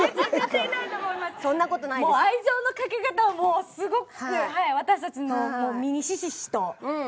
愛情のかけ方はもうすごく私たちの身にひしひしと。